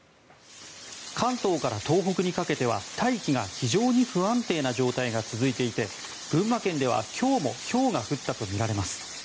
関東から東北にかけては大気が非常に不安定な状態が続いていて群馬県では今日もひょうが降ったとみられます。